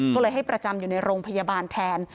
ก็เลยให้ประจำอยู่ในโรงพยาบาลแทน